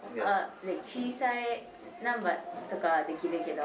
小さいナンバーとかはできるけど。